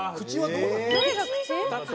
どれが口？